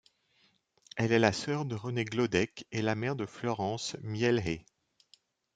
Elle est la sœur de René Glodek et la mère de Florence Miailhe.